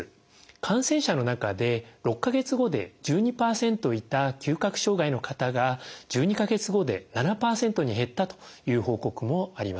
感染者の中で６か月後で１２％いた嗅覚障害の方が１２か月後で７％に減ったという報告もあります。